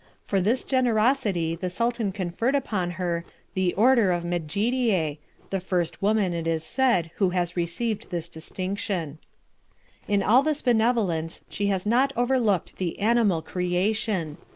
For this generosity the Sultan conferred upon her the Order of Medjidie, the first woman, it is said, who has received this distinction. In all this benevolence she has not overlooked the animal creation.